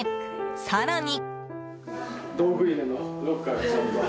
更に。